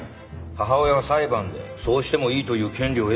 母親は裁判でそうしてもいいという権利を得たんだから。